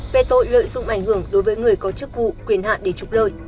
về tội lợi dụng ảnh hưởng đối với người có chức vụ quyền hạn để trục lợi